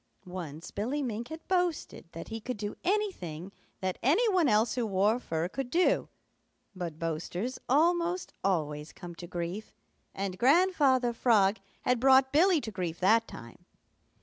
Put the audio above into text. Once Billy Mink had boasted that he could do anything that any one else who wore fur could do, but boasters almost always come to grief, and Grandfather Frog had brought Billy to grief that time.